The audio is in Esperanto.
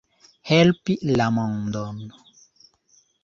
Helpi la mondon.